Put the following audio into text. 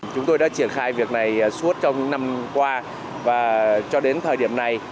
chúng tôi đã triển khai việc này suốt trong năm qua và cho đến thời điểm này